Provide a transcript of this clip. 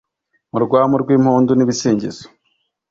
mu rwamu rw'impundu n'ibisingizo